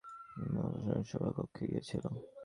মা, প্রার্থনাসভা কক্ষে গিয়েছিল।